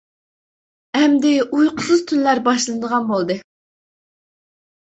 ئەمدى ئۇيقۇسىز تۈنلەر باشلىنىدىغان بولدى.